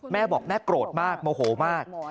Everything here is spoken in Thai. แม่บอกแม่โกรธมากโมโหมาก